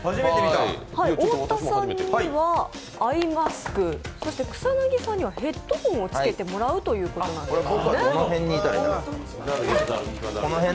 太田さんにはアイマスクそして草薙さんにはヘッドホンをつけてもらうということなんですね。